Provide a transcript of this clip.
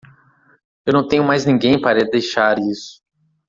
Eu não tenho mais ninguém para deixar isso.